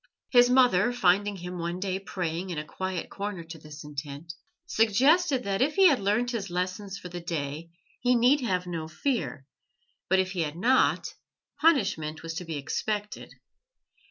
His mother, finding him one day praying in a quiet corner to this intent, suggested that if he had learnt his lessons for the day he need have no fear, but if he had not, punishment was to be expected.